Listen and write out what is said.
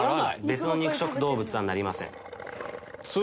別の肉食動物はなりません。